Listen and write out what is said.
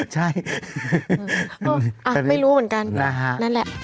ใช่ไม่รู้เหมือนกันนั่นแหละ